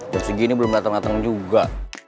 jepsi gio ini belum dateng dateng juga